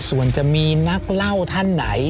ส่วนจะมีนักเล่าท่านไหน